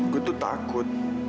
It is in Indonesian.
gue tuh takut